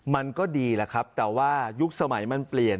มันก็ดีแหละครับแต่ว่ายุคสมัยมันเปลี่ยน